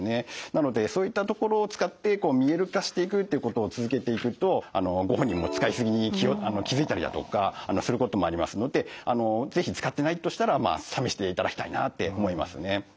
なのでそういったところを使って見える化していくっていうことを続けていくとご本人も使い過ぎに気付いたりだとかすることもありますので是非使ってないとしたら試していただきたいなって思いますね。